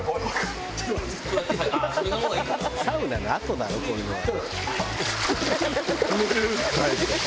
「サウナのあとだろこういうのは」